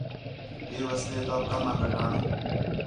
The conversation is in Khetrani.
ہے واسطے توک کم آ گڈھݨ